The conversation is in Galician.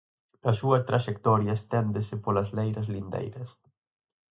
A súa traxectoria esténdese polas leiras lindeiras.